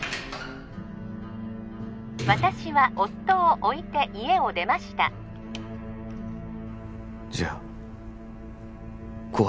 私は夫を置いて家を出ましたじゃあ心